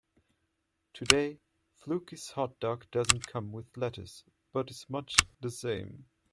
Today, Fluky's hot dog doesn't come with lettuce, but is much the same.